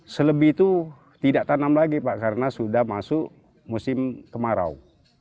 selebih itu tidak tanam lagi pak karena sudah masuk musim kemarau